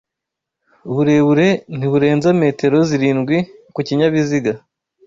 uburebure ntiburenza metero zirindwi ku kinyabiziga